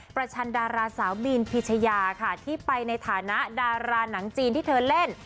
ชันดาราสาวบีนพิชยาค่ะที่ไปในฐานะดาราหนังจีนที่เธอเล่น